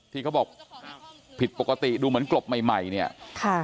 ที่เขาบอกผิดปกติดูเหมือนกลบใหม่ใหม่เนี่ยค่ะ